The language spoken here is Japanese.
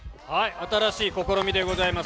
新しい試みでございます。